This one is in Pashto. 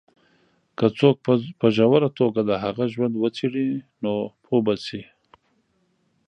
که څوک په ژوره توګه د هغه ژوند وڅېـړي، نو پوه به شي.